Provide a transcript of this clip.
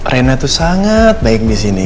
reina tuh sangat baik di sini